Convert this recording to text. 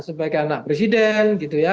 sebagai anak presiden gitu ya